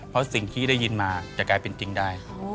เพราะสิ่งที่ได้ยินมาจะกลายเป็นจริงได้